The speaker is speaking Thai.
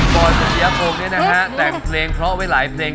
ก่อนสริยพงศ์เนี่ยนะฮะแต่งเพลงเพราะไว้หลายเพลง